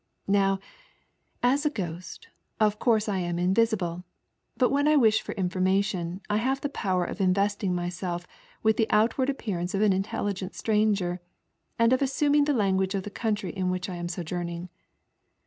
Kow, as a ghost, of course I am invisible, but when I wish for information I have the power of investing myself with the outward appearance of an intelligent stranger, and of assimiing the language of the country in which I am sojourning.